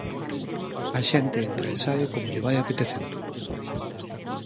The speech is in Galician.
A xente entra e sae como lle vai apetecendo.